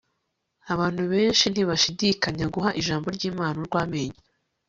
Abantu benshi ntibashidikanya guha ijambo ryImana urwamenyo